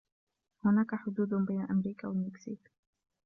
هناك حدود بين أمريكا والمكسيك.